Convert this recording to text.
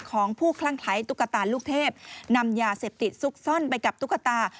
ของผู้คลั่งไคร้ตุ๊กตาลูกเทพนำยาเสพติดซุกซ่อนไปกับตุ๊กตา